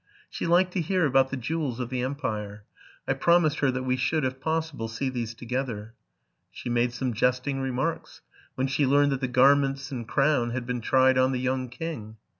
She liked to hear about the jewels of the empire. I prom ised her that we should, if possible, see these together. She made some jesting remarks when she learned that the gar ments and crown had been tried on the young king.